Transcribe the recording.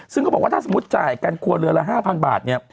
ซึ่งเขาบอกว่าถ้าสมมุติจ่ายกันครัวเรือนละ๕๐๐บาทเนี่ย